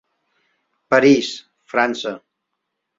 París, França.